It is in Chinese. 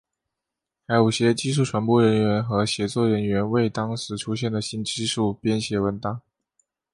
还有些技术传播人员和写作人员为当时出现的新技术编写文档。